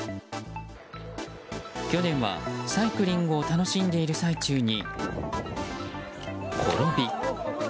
去年はサイクリングを楽しんでいる最中に転び。